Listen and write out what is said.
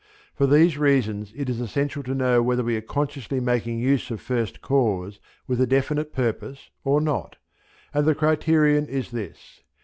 For these reasons it is essential to know whether we are consciously making use of first cause with a definite purpose or not, and the criterion is this.